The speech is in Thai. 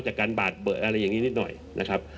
การบาดเบอร์อะไรอย่างนี้นิดหน่อยนะครับ